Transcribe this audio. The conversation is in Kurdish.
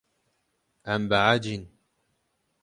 Em behecîn.